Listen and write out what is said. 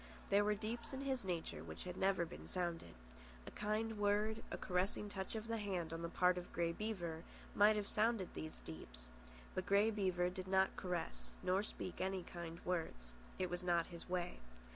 There were deeps in his nature which had never been sounded. A kind word, a caressing touch of the hand, on the part of Grey Beaver, might have sounded these deeps; but Grey Beaver did not caress, nor speak kind words. It was not his way.